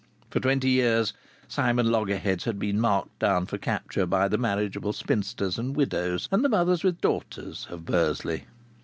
For twenty years Simon Loggerheads had been marked down for capture by the marriageable spinsters and widows, and the mothers with daughters, of Bursley.